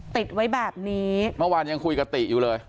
ติดไว้แบบนี้เมื่อวานยังคุยกับติอยู่เลย